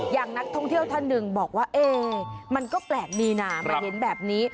อย่างนักท่องเที่ยวท่านหนึ่งบอกว่าเอ๊มันก็แปลกดีนะมาเห็นแบบนี้